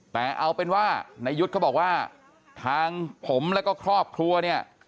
แต่เอาเป็นว่านายุทธ์เขาบอกว่าทางผมแล้วก็ครอบครัวเนี่ย